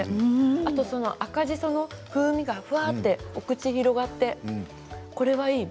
あと赤じその風味がふわっとお口に広がってこれはいい。